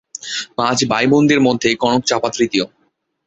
পাঁচ ভাই বোনের মধ্যে কনক চাঁপা তৃতীয়।